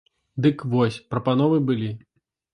Дык вось, прапановы былі.